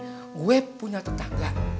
gue punya tetangga